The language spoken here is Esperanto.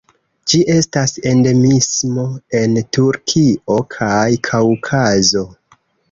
Ĝi estas endemismo en Turkio kaj Kaŭkazo.